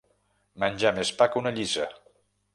Menjar més pa que una llissa.